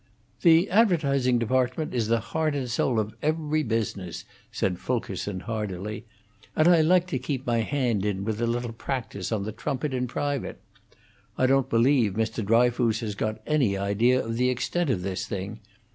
"The advertising department is the heart and soul of every business," said Fulkerson, hardily, "and I like to keep my hand in with a little practise on the trumpet in private. I don't believe Mr. Dryfoos has got any idea of the extent of this thing.